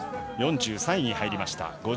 ４３位に入りました。